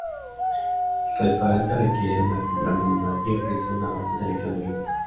El restaurante requiere una compra mínima y ofrece una vasta selección de vinos.